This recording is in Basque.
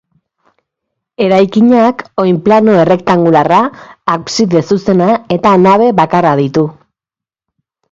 Eraikinak oinplano errektangularra, abside zuzena eta nabe bakarra ditu.